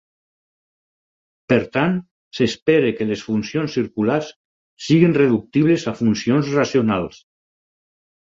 Per tant s'espera que les funcions circulars siguin reductibles a funcions racionals.